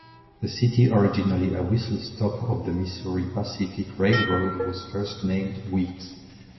The city, originally a whistle-stop of the Missouri Pacific Railroad, was first named "Weeks".